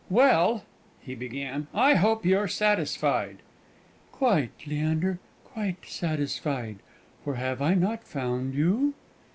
"Well," he began, "I hope you're satisfied?" "Quite, Leander, quite satisfied; for have I not found you?"